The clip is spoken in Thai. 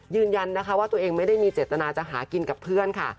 ยืนยันนะคะว่าตัวเองไม่ได้มีเจตนาจะหากินกับเพื่อนค่ะ